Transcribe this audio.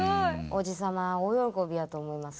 おじさま大喜びやと思いますけど。